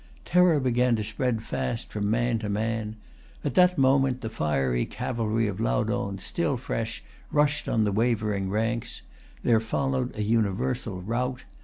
Terror began to spread fast from man to man. At that moment the fiery cavalry of Laudohn, still fresh, rushed on the wavering ranks. Then followed a universal rout.